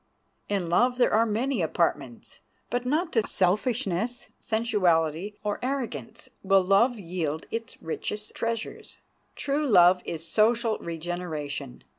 In love there are many apartments; but not to selfishness, sensuality, or arrogance will love yield its richest treasures. True love is social regeneration.